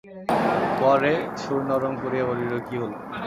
পরে সুর নরম করিয়া বলিল, কি হল?